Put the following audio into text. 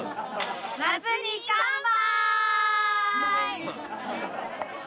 夏に乾杯！